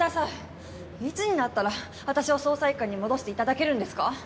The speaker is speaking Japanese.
いつになったら私を捜査一課に戻していただけるんですか？